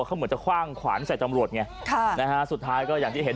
เขาเหมือนจะคว่างขวานใส่ตำรวจไงค่ะนะฮะสุดท้ายก็อย่างที่เห็น